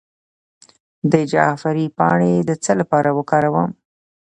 د جعفری پاڼې د څه لپاره وکاروم؟